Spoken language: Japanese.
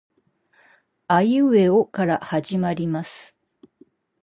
あいうえおから始まります